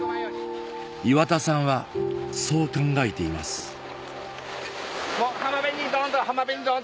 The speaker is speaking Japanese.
岩田さんはそう考えていますはい。